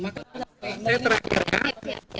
saya terakhir kan